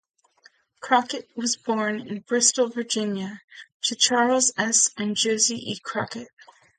Crockett was born in Bristol, Virginia, to Charles S. and Josie E. Crockett.